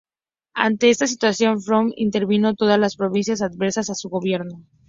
Ante esta situación Frondizi intervino todas las provincias adversas a su gobierno.